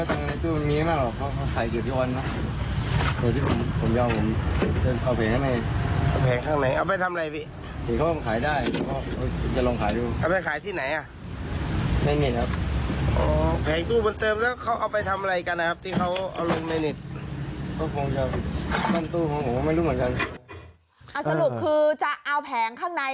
สรุปคือจะเอาแผงข้างในไปขายผมก็จะลองขายดู